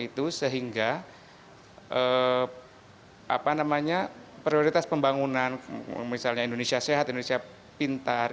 itu sehingga prioritas pembangunan misalnya indonesia sehat indonesia pintar